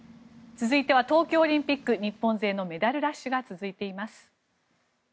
続いては東京オリンピック日本勢のメダルラッシュが続いています。